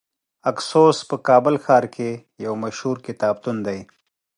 اکسوس په کابل ښار کې یو مشهور کتابتون دی .